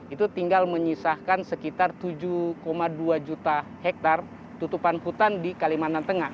itu tinggal menyisahkan sekitar tujuh dua juta hektare tutupan hutan di kalimantan tengah